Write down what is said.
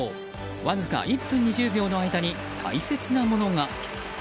わずか１分２０秒の間に大切なものが。